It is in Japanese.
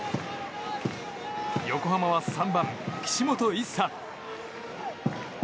横浜は３番、岸本一心。